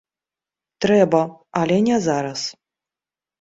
Трэба, але не зараз.